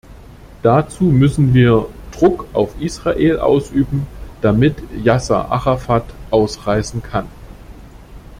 Dazu müssen wir Druck auf Israel ausüben, damit Yasser Arafat ausreisen kann.